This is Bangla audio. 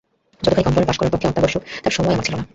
যতখানি কম পড়া পাস করার পক্ষে অত্যাবশ্যক, তার সময় আমার ছিল না।